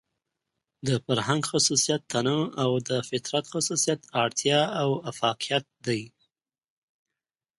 د فرهنګ خصوصيت تنوع او د فطرت خصوصيت اړتيا او اۤفاقيت دى.